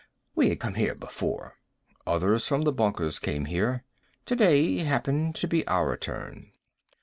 We had come here before. Others from the bunkers came here. Today happened to be our turn."